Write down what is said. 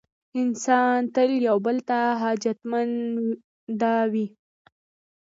انسانان تل یو بل ته حاجتمنده وي.